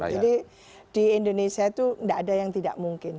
jadi di indonesia itu gak ada yang tidak mungkin